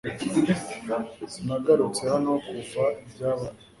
Sinagarutse hano kuva ibyabaye .